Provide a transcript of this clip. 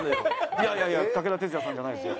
いやいやいや武田鉄矢さんじゃないですよ。